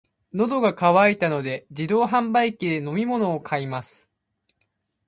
喉が渇いたので、自動販売機で飲み物を買います。